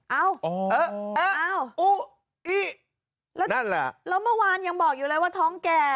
เอ้าอุ๊แล้วนั่นแหละแล้วเมื่อวานยังบอกอยู่เลยว่าท้องแก่